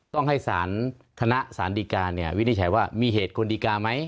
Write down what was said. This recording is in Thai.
ต้องให้สารคณะสารดีการวินิจฉัยว่ามีเหตุคนดีการ์ไหม